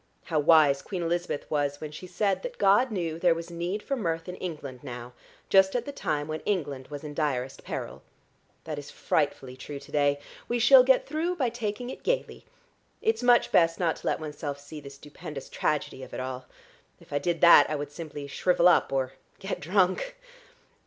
How wise Queen Elizabeth was when she said that God knew there was need for mirth in England now, just at the time when England was in direst peril. That is frightfully true to day. We shall get through by taking it gaily. It's much best not to let oneself see the stupendous tragedy of it all. If I did that I would simply shrivel up or get drunk."